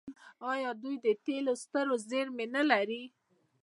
آیا دوی د تیلو سترې زیرمې نلري؟